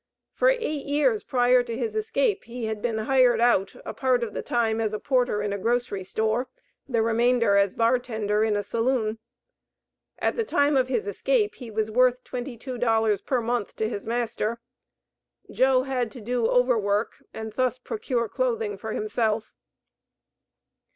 For eight years prior to his escape he had been hired out, a part of the time as porter in a grocery store, the remainder as bar tender in a saloon. At the time of his escape he was worth twenty two dollars per month to his master. Joe had to do overwork and thus procure clothing for himself.